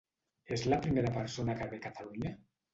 És la primera persona que ve a Catalunya?